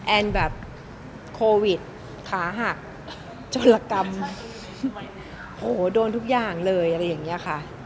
แอนแบบโควิดขาหักโจรกรรมโอ้โหโดนทุกอย่างเลยอะไรอย่างเงี้ยค่ะ